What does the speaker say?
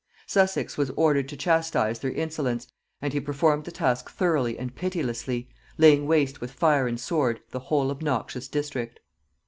Sussex was ordered to chastize their insolence; and he performed the task thoroughly and pitilessly, laying waste with fire and sword the whole obnoxious district.